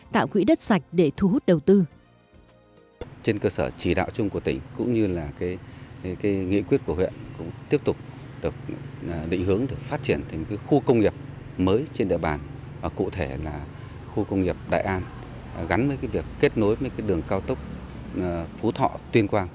tạo quỹ đất sạch để thu hút đầu tư